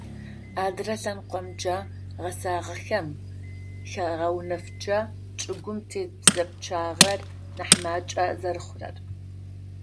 Адрэ лъэныкъомкӏэ - гъэсагъэхэм хагъэунэфыкӏы чӏыгум тет бзэ пчъагъэр нахь макӏэ зэрэхъурэр.